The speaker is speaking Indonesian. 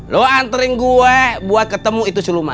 lo anterin gue buat ketemu itu si luma